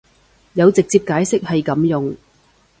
有直接解釋係噉用